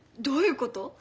どういうこと？